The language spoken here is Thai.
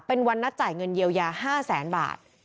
เป็นวันนัดจ่ายเงินเยียวยา๕แสนบาท